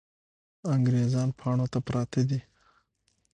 انګریزان پاڼو ته پراته دي.